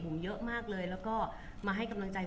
บุ๋มประดาษดาก็มีคนมาให้กำลังใจเยอะ